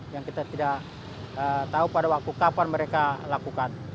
yang kita tidak tahu pada waktu kapan mereka lakukan